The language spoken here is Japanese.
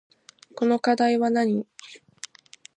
この課題はなに